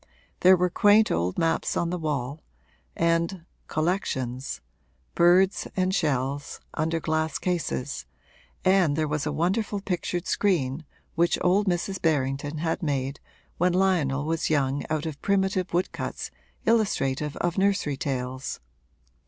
There were quaint old maps on the wall, and 'collections' birds and shells under glass cases, and there was a wonderful pictured screen which old Mrs. Berrington had made when Lionel was young out of primitive woodcuts illustrative of nursery tales.